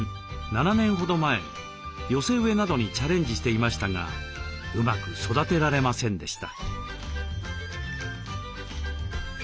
７年ほど前寄せ植えなどにチャレンジしていましたがうまく育てられませんでした。